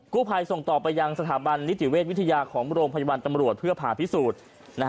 ผู้ภัยส่งต่อไปยังสถาบันนิติเวชวิทยาของโรงพยาบาลตำรวจเพื่อผ่าพิสูจน์